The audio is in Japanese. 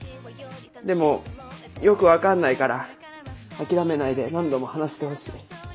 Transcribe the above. でもよく分かんないから諦めないで何度も話してほしい。